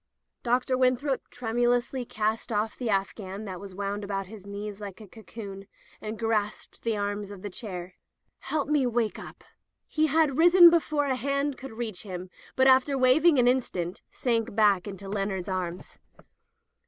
Dr. Winthrop tremulously cast off the afghan that was wound about his knees like a cocoon, and grasped the arms of his chair. "Help me up." He had risen before a hand could reach him, but after wavering an instant sank back into Leonard's arms.